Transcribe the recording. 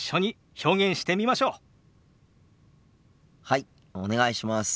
はいお願いします。